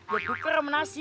ya kuker sama nasi